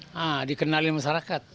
nah dikenali masyarakat